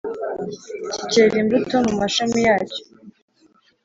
kikera imbuto mu mashami yacyo,